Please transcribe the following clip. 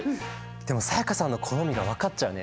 でも才加さんの好みが分かっちゃうね。